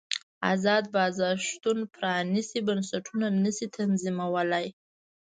ازاد بازار شتون پرانیستي بنسټونه نه شي تضمینولی.